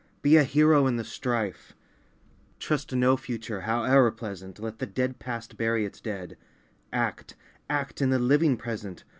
Be a hero in the strife ! Trust no Future, howe'er pleasant ! Let the dead Past bury its dead ! Act, — act in the living Present